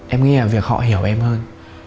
em nghĩ là việc họ hiểu em hơn